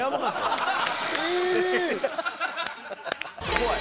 怖い？